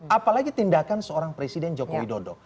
apalagi tindakan seorang presiden jokowi dodo